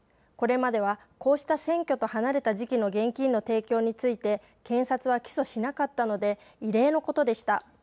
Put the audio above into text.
こうした選挙と離れた時期の現金の提供について検察は今まで起訴しなかったので異例のことでした。